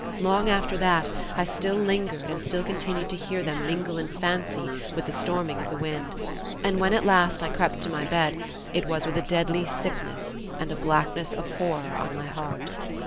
Long after that, I still lingered and still continued to hear them mingle in fancy with the storming of the wind; and when at last I crept to my bed, it was with a deadly sickness and a blackness of horror on my heart.